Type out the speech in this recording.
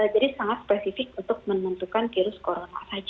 jadi sangat spesifik untuk menentukan virus corona saja